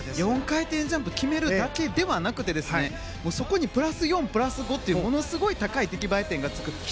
４回転ジャンプを決めるだけではなくてそこにプラス４プラス５というものすごい高い出来栄え点がつく。